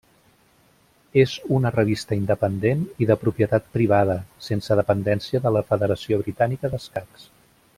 És una revista independent i de propietat privada, sense dependència de la Federació Britànica d'Escacs.